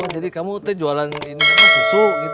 oh jadi kamu teh jualan ini kan susu gitu